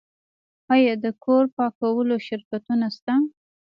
آیا د کور پاکولو شرکتونه شته؟